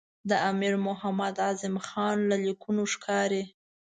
د امیر محمد اعظم خان له لیکونو ښکاري.